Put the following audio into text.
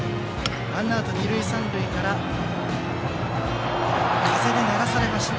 ワンアウト二、三塁から風で流されました。